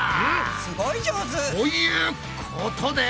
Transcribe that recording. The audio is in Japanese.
すごい上手！ということで！